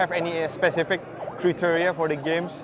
apakah anda memiliki kriteria khusus untuk game